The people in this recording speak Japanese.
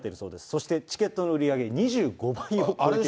そしてチケットの売り上げ２５倍を超えていると。